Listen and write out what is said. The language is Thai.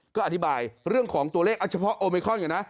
ก็อธิบายเรื่องของตัวเลขเอาเฉพาะโอมิคอนก่อนนะ